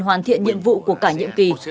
hoàn thiện nhiệm vụ của cả nhiệm kỳ